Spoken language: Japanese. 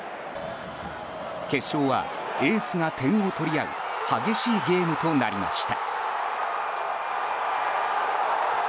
決勝はエースが点を取り合う激しいゲームとなりました。